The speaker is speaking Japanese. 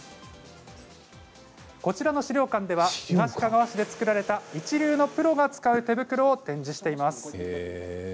こちらの資料展では東かがわ市で作られた一流のプロが使う手袋を展示しています。